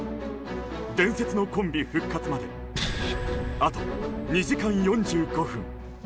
伝説のコンビ復活まであと２時間４５分。